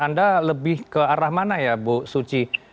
anda lebih ke arah mana ya bu suci